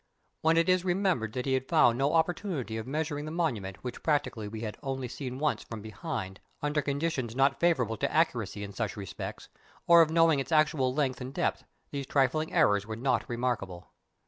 When it is remembered that he had found no opportunity of measuring the monument which practically we had only seen once from behind under conditions not favourable to accuracy in such respects, or of knowing its actual length and depth, these trifling errors were not remarkable.